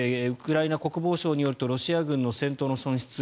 ウクライナ国防省によるとロシア軍の戦闘の損失